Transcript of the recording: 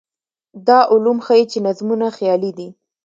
دا علوم ښيي چې نظمونه خیالي دي.